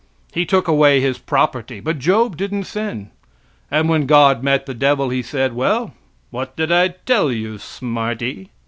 He took away his property, but Job didn't sin; and when God met the devil, he said: "Well, what did I tell you, smarty?"